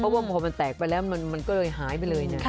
เพราะว่าพอมันแตกไปแล้วมันก็เลยหายไปเลยนะ